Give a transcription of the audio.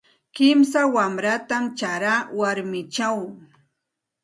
Kimsa wanratam charaa warmichaw.